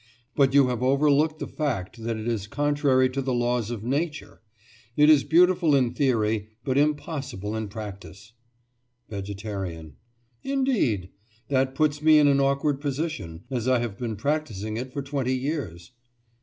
But you have overlooked the fact that it is contrary to the laws of Nature. It is beautiful in theory, but impossible in practice. VEGETARIAN: Indeed! That puts me in an awkward position, as I have been practising it for twenty years.